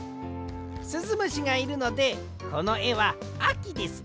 すずむしがいるのでこのえはあきです！